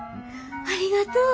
ありがとう！